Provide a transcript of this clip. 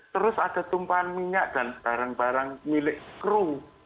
terus ada tumpahan minyak dan barang barang milik kru